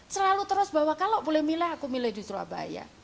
selalu terus bahwa kalau boleh milih aku milih di surabaya